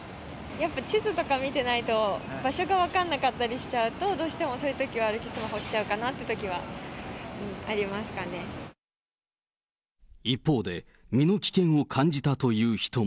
やっぱ地図とか見てないと、場所が分かんなかったりしちゃうと、どうしてもそういうときは歩きスマホしちゃうかなってときはあり一方で、身の危険を感じたという人も。